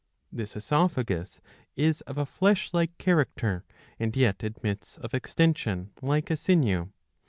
^ This oesophagus is of a flesh like character, and yet admits of exten sion like a sinew.